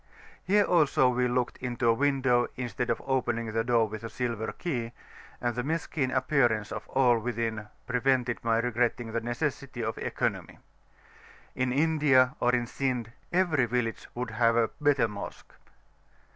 Here also we looked into a window instead of opening the door with a silver key, and the mesquin appearance of all within prevented my regretting the necessity of economy. In India or in Sind every village would have a better Mosque.